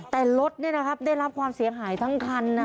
แต่รถเนี่ยนะครับได้รับความเสียงหายทั้งคันนะ